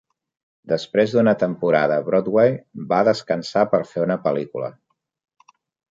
Després d'una temporada a Broadway, va descansar per fer una pel·lícula.